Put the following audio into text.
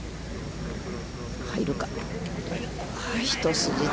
入るか。